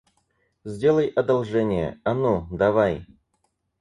Сделай одолжение, а ну, давай!